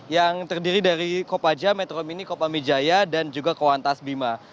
yang terdiri dari kopaja metro mini kopamijaya dan juga koantas bima